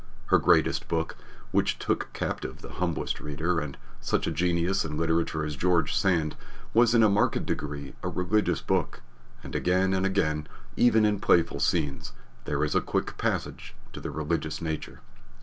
Her greatest book, which took captive the humblest reader and such a genius in literature as George Sand, was in a marked degree a religious book; and again and again, even in playful scenes, there is a quick passage to the religious nature.